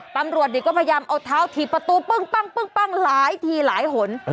ตำรวจเนี่ยก็พยายามเอาเท้าถี่ประตูปึ้งปั้งปึ้งปั้งหลายทีหลายหล่น